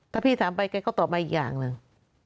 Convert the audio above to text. ถ้าพี่ถามไปแกก็ตอบมาอีกอย่างหนึ่ง